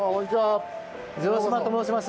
城島と申します。